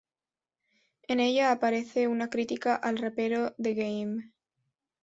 En ella aparece una crítica al rapero The Game.